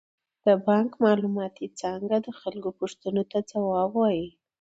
د بانک معلوماتي څانګه د خلکو پوښتنو ته ځواب وايي.